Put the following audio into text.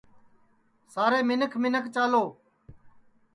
سارے منکھ منکھ چالو